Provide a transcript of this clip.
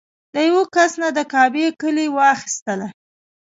د یوه کس نه د کعبې کیلي واخیستله.